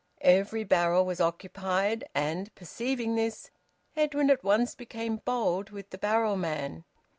Every barrel was occupied, and, perceiving this, Edwin at once became bold with the barrel man.